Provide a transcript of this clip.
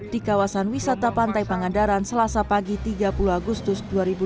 di kawasan wisata pantai pangandaran selasa pagi tiga puluh agustus dua ribu dua puluh